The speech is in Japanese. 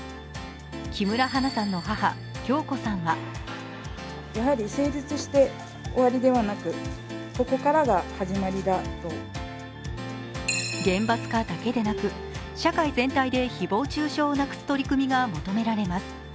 木村花さんの母・響子さんは厳罰化だけでなく、社会全体で誹謗中傷をなくす取り組みが求められます。